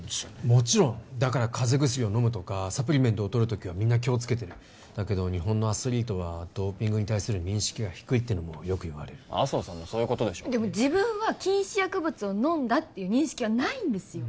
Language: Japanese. もちろんだから風邪薬を飲むとかサプリメントをとる時はみんな気をつけてるだけど日本のアスリートはドーピングに対する認識が低いってのもよく言われる麻生さんもそういうことでしょでも自分は禁止薬物を飲んだっていう認識はないんですよ